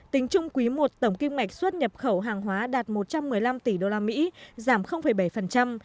tính chung quý i tổng kim ngạch xuất nhập khẩu hàng hóa đạt một trăm một mươi năm tỷ usd giảm bảy